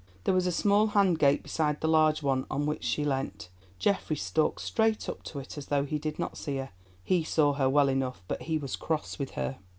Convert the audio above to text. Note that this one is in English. There was a small hand gate beside the large one on which she leant. Geoffrey stalked straight up to it as though he did not see her; he saw her well enough, but he was cross with her.